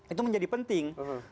itu menjadi penting